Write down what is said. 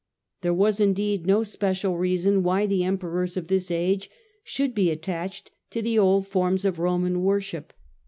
There was indeed no special reason why the Emperors of this age should be attached to the old forms of Roman worship.